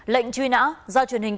lệnh truy nã do truyền hình